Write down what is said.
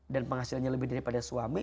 dan penghasilannya lebih daripada suami